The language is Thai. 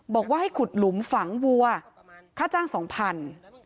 บอกว่าให้ขุดหลุมฝังวัวค่าจ้าง๒๐๐บาท